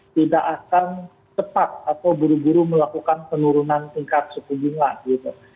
tidak akan tepat atau buru buru melakukan penurunan tingkat sepuluh juta